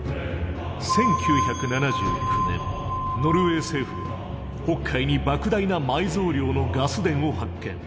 １９７９年ノルウェー政府は北海にばく大な埋蔵量のガス田を発見。